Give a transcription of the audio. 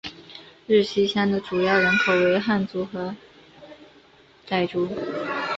日溪乡的主要人口为汉族和畲族。